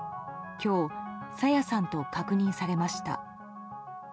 今日、朝芽さんと確認されました。